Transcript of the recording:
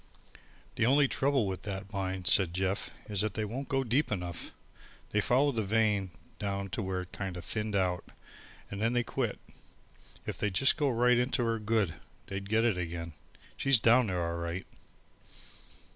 "The only trouble with that mine," said Jeff, "is they won't go deep enough. They followed the vein down to where it kind o' thinned out and then they quit. If they'd just go right into her good, they'd get it again. She's down there all right."